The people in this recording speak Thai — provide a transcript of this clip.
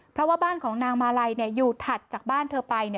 เพราะว่าบ้านของนางมาลัยอยู่ถัดจากบ้านเธอไป